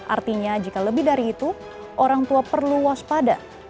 artinya jika lebih dari itu orang tua perlu waspada